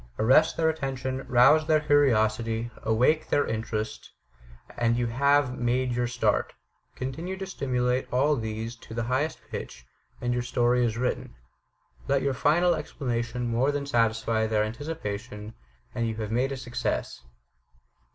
Arrest their attention, rouse their curiosity, awake their interest, and you have made your start. Continue to stimulate all these to the highest pitch, and your story is written. Let your final explanation more than satisfy their anticipation, and you have made a success.